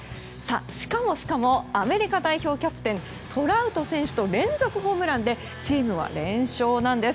しかもしかもアメリカ代表キャプテントラウト選手と連続ホームランでチームは連勝なんです。